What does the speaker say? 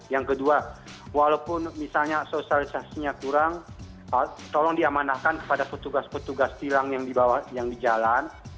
yang kedua walaupun misalnya sosialisasinya kurang tolong diamanahkan kepada petugas petugas tilang yang di jalan